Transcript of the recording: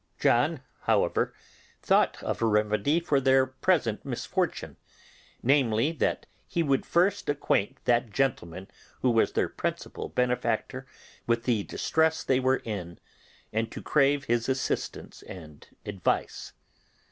John, however, thought of a remedy for their present misfortune: namely, that he would first acquaint that gentleman who was their principal benefactor with the distress they were in, and to crave his assistance and advice.